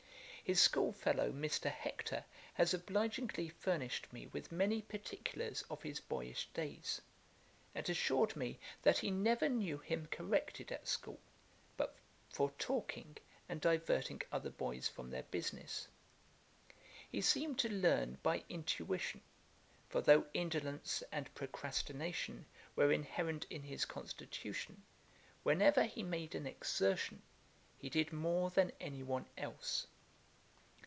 His schoolfellow, Mr. Hector, has obligingly furnished me with many particulars of his boyish days: and assured me that he never knew him corrected at school, but for talking and diverting other boys from their business. He seemed to learn by intuition; for though indolence and procrastination were inherent in his constitution, whenever he made an exertion he did more than any one else.